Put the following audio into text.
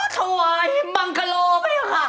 อ๋อถวายบังกะโล่ไม่เหรอค่ะ